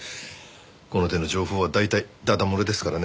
この手の情報は大体だだ漏れですからね。